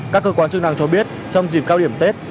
các cơ quan chức năng cho biết trong dịp cao điểm tết